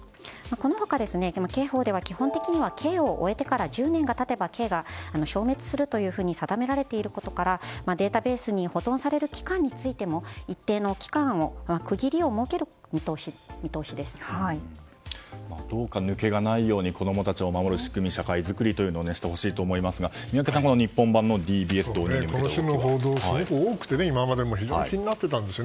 この他、刑法では基本的には刑を終えてから１０年が経てば刑が消滅すると定められていることからデータベースに保存される期間についてもどうか抜けがないように子供たちを守る仕組み社会づくりをしてほしいと思いますが宮家さんは、日本版ＤＢＳはこの報道、すごく多くて気になっていたんですよ。